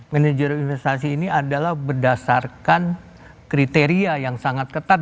manajer investasi ini adalah berdasarkan kriteria yang sangat ketat